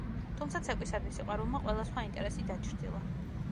თუმცა ცეკვისადმი სიყვარულმა ყველა სხვა ინტერესი დაჩრდილა.